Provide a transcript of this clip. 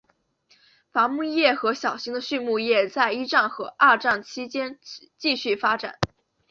伐木业和小型的畜牧业在一战和二战期间继续发展。